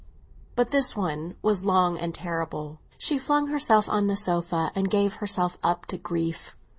But this one was long and terrible; she flung herself on the sofa and gave herself up to her misery.